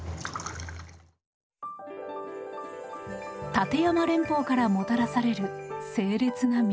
立山連峰からもたらされる清冽な水。